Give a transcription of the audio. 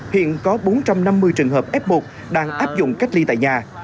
hiện có bốn trăm năm mươi trường hợp f một đang áp dụng cách ly tại nhà